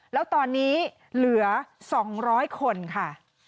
แล้วตอนนี้เหลือ๒๐๐คนค่ะ